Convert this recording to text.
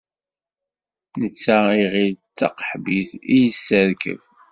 Netta iɣil d taqaḥbit i d-yesserkeb.